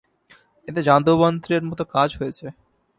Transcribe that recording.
এতে যাদুমন্ত্রের মত কাজ হয়েছে।